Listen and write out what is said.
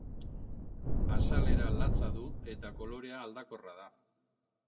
Azalera latza du eta kolorea aldakorra da.